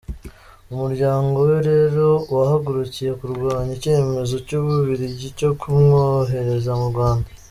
Umuryango we rero wahagurukiye kurwanya icyemezo cy’Ububirigi cyo kumwohereza mu Rwanda.